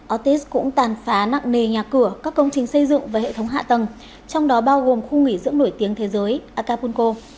ortiz cũng tàn phá nặng nề nhà cửa các công trình xây dựng và hệ thống hạ tầng trong đó bao gồm khu nghỉ dưỡng nổi tiếng thế giới acapulco